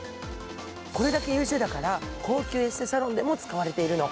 これだけ優秀だから高級エステサロンでも使われているの。